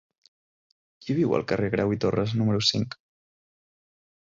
Qui viu al carrer de Grau i Torras número cinc?